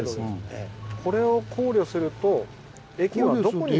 これを考慮すると駅はどこにつくったら。